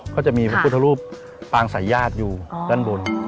ก็จะมีพระพุทธรูปปางสายญาติอยู่ด้านบน